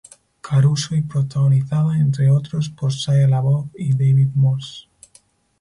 Caruso y protagonizada, entre otros, por Shia LaBeouf y David Morse.